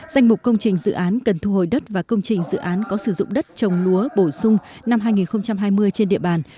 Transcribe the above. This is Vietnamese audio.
danh mục công trình dự án cần thu hồi đất và công trình dự án có sử dụng đất trồng lúa bổ sung năm hai nghìn hai mươi trên địa bàn